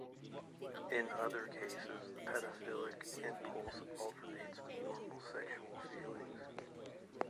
In other cases the pedophilic impulse alternates with normal sexual feelings.